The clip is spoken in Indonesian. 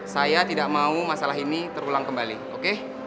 saya tidak mau masalah ini terulang kembali oke